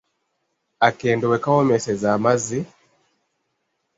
Akendo we kawoomeseza amazzi, ….